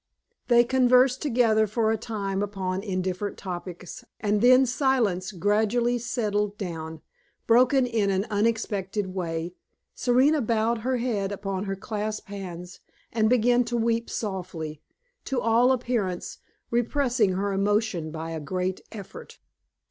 They conversed together for a time upon indifferent topics and then silence gradually settled down, broken in an unexpected way Serena bowed her head upon her clasped hands and began to weep softly, to all appearance repressing her emotion by a great effort.